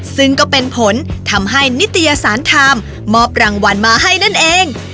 ซึ่งก็เป็นผลทำให้นิตยสารไทม์มอบรางวัลมาให้นั่นเอง